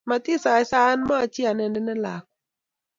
Matisaisaia machi anendet lakwe